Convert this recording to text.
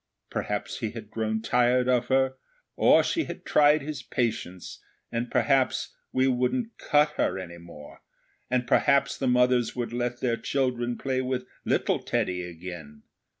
Perhaps he had grown tired of her, or she had tried his patience, and perhaps we wouldn't cut her any more, and perhaps the mothers would let their children play with 'little Teddy' again.